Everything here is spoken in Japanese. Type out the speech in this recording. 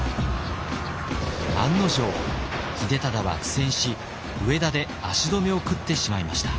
案の定秀忠は苦戦し上田で足止めを食ってしまいました。